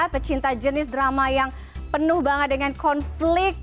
pecinta jenis drama yang penuh banget dengan konflik